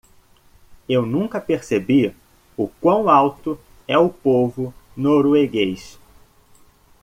Eu nunca percebi o quão alto é o povo norueguês.